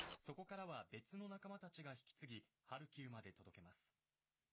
そこからは別の仲間たちが引き継ぎハルキウまで届けます。